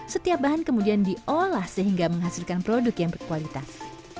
setiap bahan kemudian diolah sehingga menghasilkan produk yang berkualitas